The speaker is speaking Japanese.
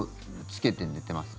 つけて寝てます。